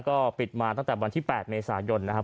ก็ปิดมาตั้งแต่วันที่๘เมษายนนะครับ